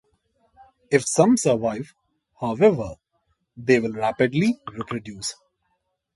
If some survive, however, they will rapidly reproduce.